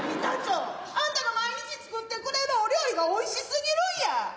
板長あんたが毎日作ってくれるお料理がおいしすぎるんや。